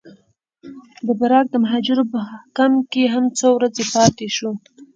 د پراګ د مهاجرو په کمپ کې هم څو ورځې پاتې شوو.